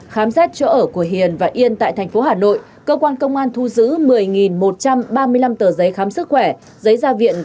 khám xét chỗ ở của hiền và yên tại thành phố hà nội cơ quan công an thu giữ một mươi một trăm ba mươi năm tờ giấy khám sức khỏe